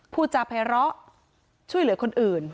ผู้จาภัยเลาะช่วยเหลือคนอื่น